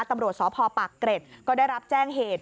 ตำรวจสพปากเกร็ดก็ได้รับแจ้งเหตุ